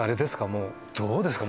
もうどうですか？